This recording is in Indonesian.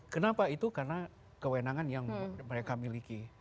kenapa itu karena kewenangan yang mereka miliki